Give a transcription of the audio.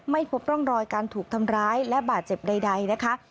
ไม่พบร่องรอยการถูกทำร้ายและบาดเจ็บใดนะคะ